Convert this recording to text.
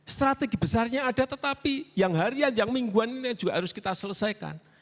strategi besarnya ada tetapi yang harian yang mingguan ini juga harus kita selesaikan